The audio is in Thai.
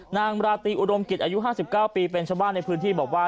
นางราตรีอุดมกิจอายุ๕๙ปีเป็นชาวบ้านในพื้นที่บอกว่า